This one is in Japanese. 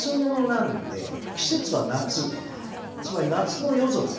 なんで季節は夏つまり夏の夜空。